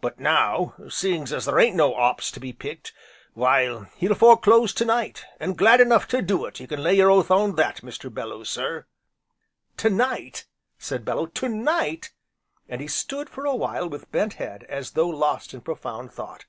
But now seeing as there ain't no 'ops to be picked, why he'll fore close to night, an' glad enough to do it, you can lay your oath on that, Mr. Belloo sir." "To night!" said Bellew, "to night!" and he stood, for a while with bent head, as though lost in profound thought.